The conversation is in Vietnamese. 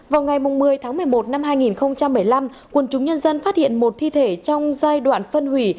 vào ngày một mươi tháng một mươi một năm hai nghìn một mươi năm quân chúng nhân dân phát hiện một thi thể trong giai đoạn phân hủy